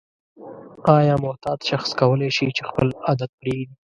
آیا معتاد شخص کولای شي چې خپل عادت پریږدي؟